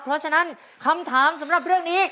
เพราะฉะนั้นคำถามสำหรับเรื่องนี้